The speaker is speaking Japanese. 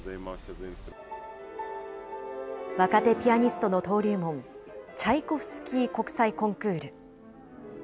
若手ピアノストの登竜門、チャイコフスキー国際コンクール。